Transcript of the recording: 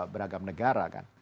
beragam negara kan